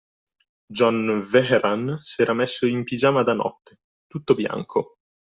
John Vehrehan s’era messo in pigiama da notte, tutto bianco.